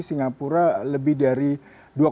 kemudian dengan produk yang cukup besar terbebuknya